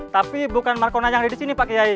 tapi bukan marcona yang ada di sini pak kiai